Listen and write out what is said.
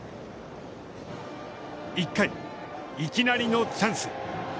１回、いきなりのチャンス。